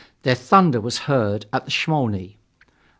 Their thunder was heard at the Smolny.